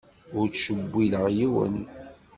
Ur ttcewwileɣ yiwen.